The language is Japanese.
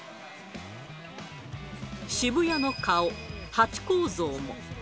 渋谷の顔、ハチ公像も。